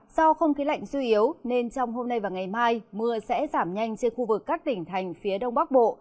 do không khí lạnh suy yếu nên trong hôm nay và ngày mai mưa sẽ giảm nhanh trên khu vực các tỉnh thành phía đông bắc bộ